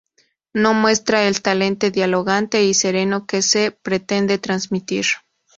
no muestra el talante dialogante y sereno que se pretende transmitir